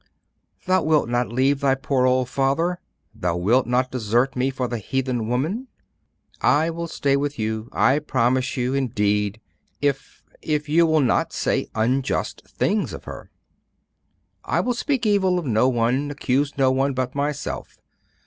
'Thou wilt not leave thy poor old father? Thou wilt not desert me for the heathen woman?' 'I will stay with you, I promise you, indeed! if if you will not say unjust things of her.' 'I will speak evil of no one, accuse no one, but myself.